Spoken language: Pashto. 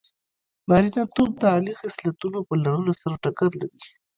نارینتوب د عالي خصلتونو په لرلو سره ټکر لري.